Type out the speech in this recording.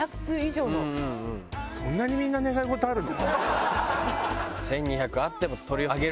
そんなにみんな願い事あるの？